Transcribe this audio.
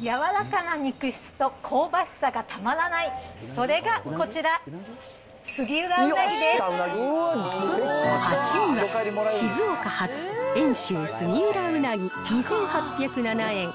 柔らかな肉質と香ばしさがたまらない、それがこちら、杉浦うなぎ８位は、静岡発遠州杉浦うなぎ２８０７円。